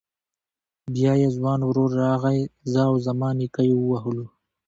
بيا يې ځوان ورور راغی زه او زما نيکه يې ووهلو.